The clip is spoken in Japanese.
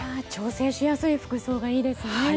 調整しやすい服装がいいですね。